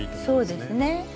そうですね。